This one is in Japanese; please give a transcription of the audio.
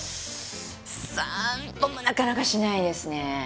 散歩もなかなかしないですね